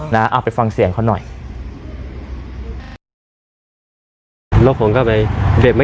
นะอะไปฟังเสียงเขาน่ะ